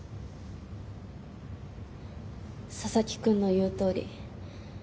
佐々木くんの言うとおり。